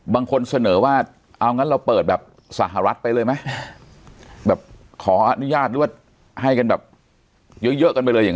บางคนเสนอว่าเอางั้นเราเปิดแบบสหรัฐไปเลยไหมแบบขออนุญาตหรือว่าให้กันแบบเยอะเยอะกันไปเลยอย่างเ